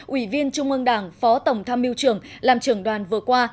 ủy viên trung ương đảng phó tổng tham mưu trưởng làm trưởng đoàn vừa qua